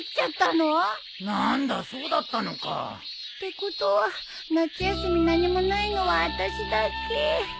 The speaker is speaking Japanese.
何だそうだったのか。ってことは夏休み何もないのはあたしだけ。